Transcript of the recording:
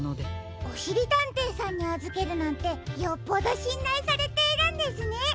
おしりたんていさんにあずけるなんてよっぽどしんらいされているんですね。